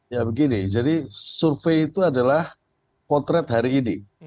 ya begini jadi survei itu adalah potret hari ini